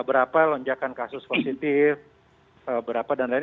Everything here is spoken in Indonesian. berapa lonjakan kasus positif berapa dan lain lain